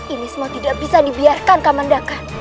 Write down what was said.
ini semua tidak bisa dibiarkan kamandaka